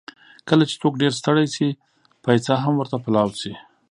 کله چې څوک ډېر ستړی شي، پېڅه هم ورته پلاو شي.